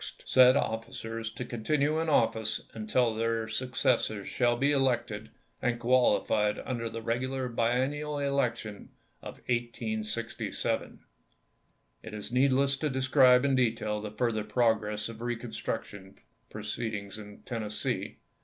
TENNESSEE FKEE 449 said officers to continue in office until their succes sors shall be elected and qualified under the regular biennial election of 1867." It is needless to describe in detail the further progress of reconstruction proceedings in Tennes see.